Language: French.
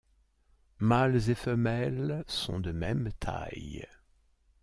Mâles et femelles sont de même taille.